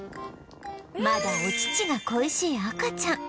まだお乳が恋しい赤ちゃん